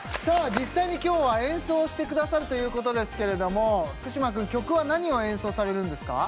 実際に今日は演奏してくださるということですけれども福嶌くん曲は何を演奏されるんですか？